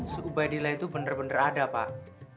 se ubay dila itu bener bener ada pak